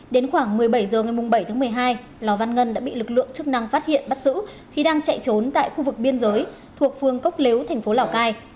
đến khoảng một mươi bảy h ngày bảy tháng một mươi hai lò văn ngân đã bị lực lượng chức năng phát hiện bắt giữ khi đang chạy trốn tại khu vực biên giới thuộc phương cốc lếu thành phố lào cai